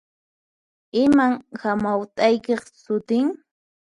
Iman hamawt'aykiq sutin?